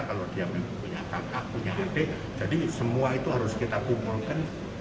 kalau dia punya kakak punya adik jadi semua itu harus kita kumpulkan